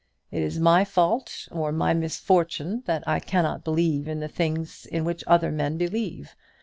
It is my fault or my misfortune that I cannot believe in the things in which other men believe.